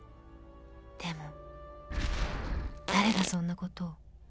［でも誰がそんなことを］